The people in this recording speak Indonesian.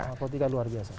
narkotika luar biasa